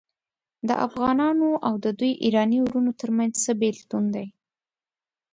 د افغانانو او د دوی ایراني وروڼو ترمنځ څه بیلتون دی.